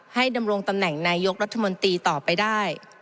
ดำรงตำแหน่งนายกรัฐมนตรีต่อไปได้